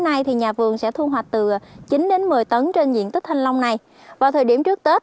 hôm nay thì nhà vườn sẽ thu hoạch từ chín đến một mươi tấn trên diện tích thanh long này vào thời điểm trước tết